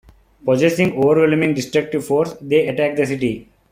Possessing overwhelming destructive force, they attack the city.